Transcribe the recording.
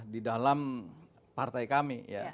di dalam partai kami